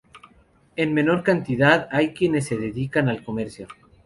En menor cantidad hay quienes se dedican al comercio.